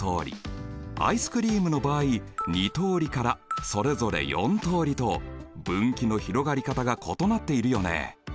アイスクリームの場合２通りからそれぞれ４通りと分岐の広がり方が異なっているよね。